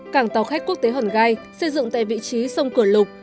cảng tàu khách quốc tế hòn gai xây dựng tại vị trí sông cửa lục